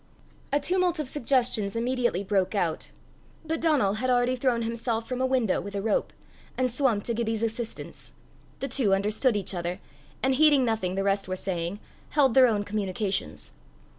A tumult of suggestions immediately broke out. But Donal had already thrown himself from a window with a rope, and swum to Gibbie's assistance; the two understood each other, and heeding nothing the rest were saying, held their own communications.